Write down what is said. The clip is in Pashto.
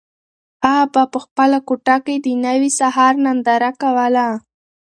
هغه په خپله کوټه کې د نوي سهار ننداره کوله.